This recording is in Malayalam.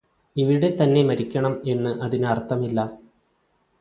ഇവിടെത്തന്നെ മരിക്കണം എന്ന് അതിന് അര്ത്ഥമില്ല